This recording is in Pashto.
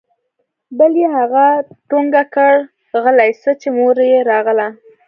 بل يې هغه ټونګه كړ غلى سه چې مور يې راغله.